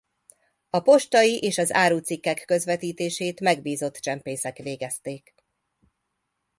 A postai és az árucikkek közvetítését megbízott csempészek végezték.